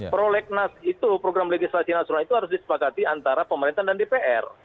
prolegnas itu program legislasi nasional itu harus disepakati antara pemerintah dan dpr